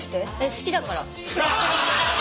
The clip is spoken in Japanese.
好きだから。